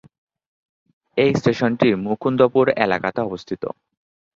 এই স্টেশনটি মুকুন্দপুর এলাকাতে অবস্থিত।